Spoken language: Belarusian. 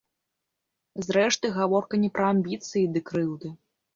Зрэшты, гаворка не пра амбіцыі ды крыўды.